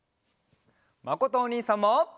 まことおにいさんも！